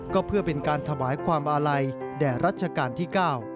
ก็เพื่อเป็นการถวายความอาลัยแด่รัชกาลที่๙